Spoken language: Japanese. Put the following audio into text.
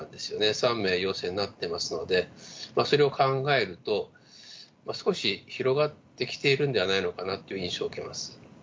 ３名陽性になってますので、それを考えると、少し広がってきているのではないのかなという印象を受けます。